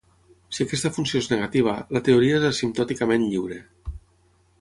Si aquesta funció és negativa, la teoria és asimptòticament lliure.